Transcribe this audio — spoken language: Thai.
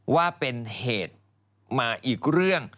ว่าเป็นเหตุมาอีกเรื่อง